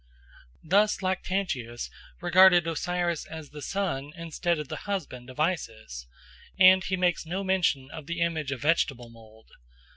Thus Lactantius regarded Osiris as the son instead of the husband of Isis, and he makes no mention of the image of vegetable mould.